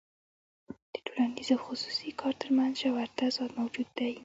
د ټولنیز او خصوصي کار ترمنځ ژور تضاد موجود دی